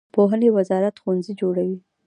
پوهنې وزارت ښوونځي جوړوي